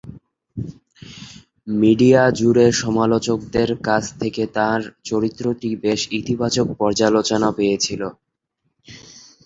Media জুড়ে সমালোচকদের কাছ থেকে তাঁর চরিত্রটি বেশ ইতিবাচক পর্যালোচনা পেয়েছিল।